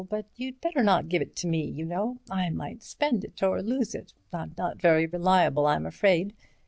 But you'd better not give it to me, you know. I might spend it, or lose it. I'm not very reliable, I'm afraid.